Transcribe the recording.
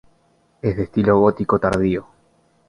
Es de estilo gótico tardío.